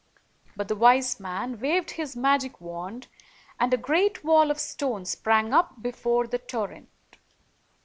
But the wise man waved his magic wand, and a great wall of stone sprang up before the torrent.